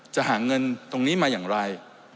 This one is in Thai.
จะหาเงินตรงนี้มาอย่างไร